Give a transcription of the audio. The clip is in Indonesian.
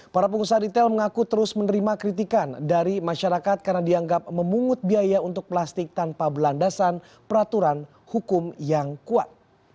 para pengusaha retail mengaku terus menerima kritikan dari masyarakat karena dianggap memungut biaya untuk plastik tanpa belandasan peraturan hukum yang kuat